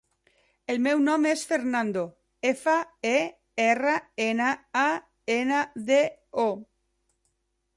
El meu nom és Fernando: efa, e, erra, ena, a, ena, de, o.